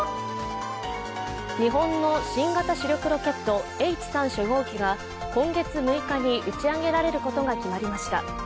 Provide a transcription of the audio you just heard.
日本の新型主力ロケット、Ｈ３初号機が今月６日に打ち上げられることが決まりました。